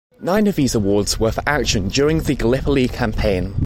Nine of these awards were for action during the Gallipoli Campaign.